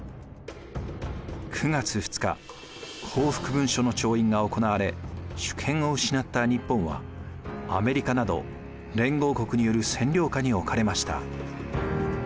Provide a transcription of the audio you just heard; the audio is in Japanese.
９月２日降伏文書の調印が行われ主権を失った日本はアメリカなど連合国による占領下におかれました。